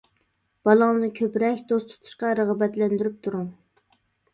بالىڭىزنى كۆپرەك دوست تۇتۇشقا رىغبەتلەندۈرۈپ تۇرۇڭ.